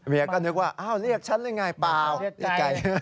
เมียก็นึกว่าเรียกฉันหรือยังไงเปล่าเรียกไก่